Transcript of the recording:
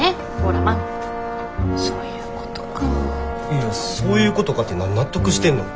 いやそういうことかって何納得してんの。